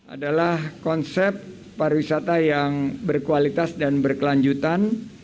adalah konsep pariwisata yang berkualitas dan berkelanjutan